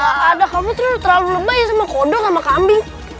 gila ada kamu terlalu lembah ya sama kodok sama kambing